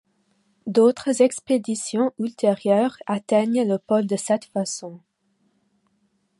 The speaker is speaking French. D'autres expéditions ultérieures atteignent le pôle de cette façon.